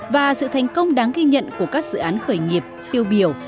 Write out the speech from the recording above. và sự thành công đáng ghi nhận của các dự án khởi nghiệp tiêu biểu